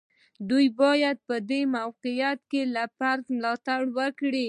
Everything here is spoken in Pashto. دوی باید په دې موقعیت کې له فرد ملاتړ وکړي.